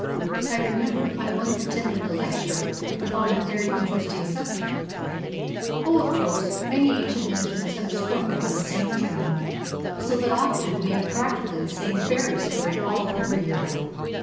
I remember I once attended a lecture upon that very interesting subject." "Oh, of course. Many ancient legends have sprung from the same germ, so that often we have practically the same fairy story all over Europe.